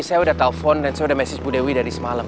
saya udah telfon dan saya udah message bu dewi dari semalam